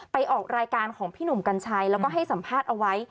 ออกรายการของพี่หนุ่มกัญชัยแล้วก็ให้สัมภาษณ์เอาไว้